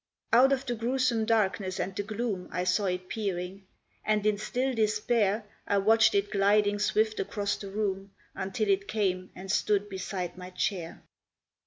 Out of the gruesome darkness and the gloom I saw it peering; and, in still despair, I watched it gliding swift across the room, Until it came and stood beside my chair.